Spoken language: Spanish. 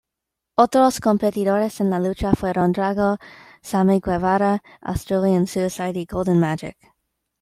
Otros competidores en la lucha fueron Drago, Sammy Guevara, Australian Suicide y Golden Magic.